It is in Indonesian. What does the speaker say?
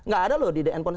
gak ada loh di the endpoint